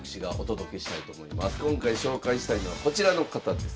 今回紹介したいのはこちらの方です。